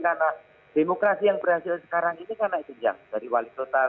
karena demokrasi yang berhasil sekarang ini kan naik jenjang dari wali kota